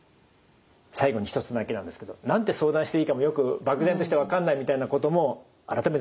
最後に一つだけなんですけど何て相談していいかもよく漠然として分かんないみたいなことも改めてですけど相談して大丈夫ですか？